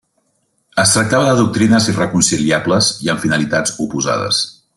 Es tractava de doctrines irreconciliables i amb finalitats oposades.